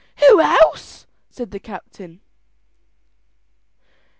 "Who else?" said the captain.